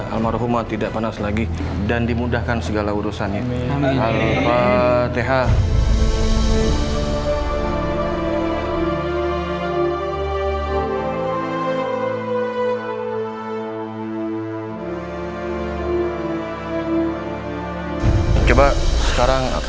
almarhumah tidak panas lagi dan dimudahkan segala urusannya hal hal tehal coba sekarang